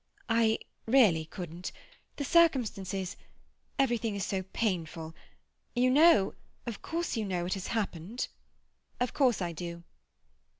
"I—really couldn't. The circumstances—everything is so very painful. You know—of course you know what has happened?" "Of course I do."